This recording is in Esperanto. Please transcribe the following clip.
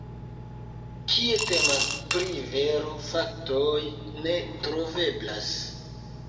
Kie temas pri vero, faktoj ne troveblas.